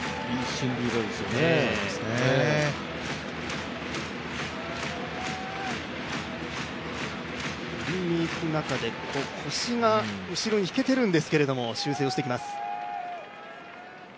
スイングの中で腰が後ろに引けてるんですけど修正をしていきます。